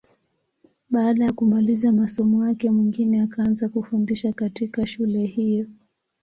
Baada ya kumaliza masomo yake, Mwingine akaanza kufundisha katika shule hiyo.